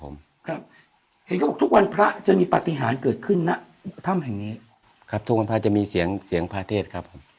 ในแต่ก็ไม่พระจะมีปฏิหารเกิดขึ้นนะทำอย่างนี้ครับส่วนนะว่าจะมีเสียงเสียงพระเทศครับ